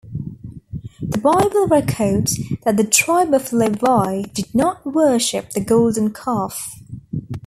The Bible records that the tribe of Levi did not worship the golden calf.